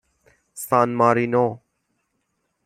سان مارینو